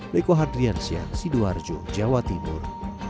leko hadrian sian sidoarjo jawa timur